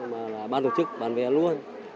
mà là ban tổ chức bán vé luôn